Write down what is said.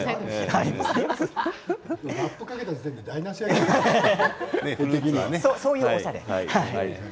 ラップをかけた時点で台なしやけどね。